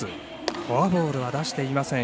フォアボールは出していません。